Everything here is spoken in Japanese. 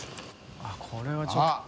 あっこれはちょっと。